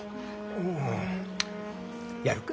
うんやるか。